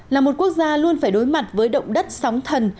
là một quốc gia luôn phải đối mặt với động đất sóng thần